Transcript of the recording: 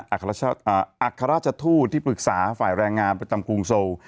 อัคคาราชทู้ที่ปรึกษาฝ่ายแรงงานประจำคลุงโซล